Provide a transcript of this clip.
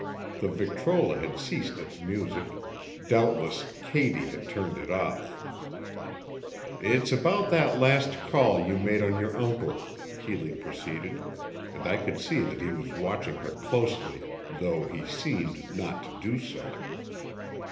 The victrola had ceased its music—doubtless Katy had turned it off. "It's about that last call you made on your uncle," Keeley proceeded, and I could see he was watching her closely, though he seemed not to do so.